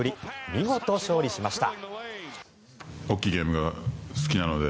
見事、勝利しました。